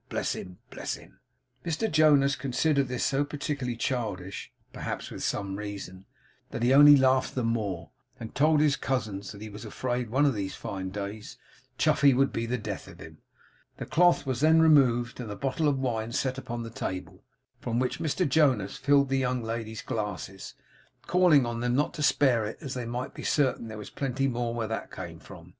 Bless him, bless him!' Mr Jonas considered this so particularly childish (perhaps with some reason), that he only laughed the more, and told his cousins that he was afraid one of these fine days, Chuffey would be the death of him. The cloth was then removed, and the bottle of wine set upon the table, from which Mr Jonas filled the young ladies' glasses, calling on them not to spare it, as they might be certain there was plenty more where that came from.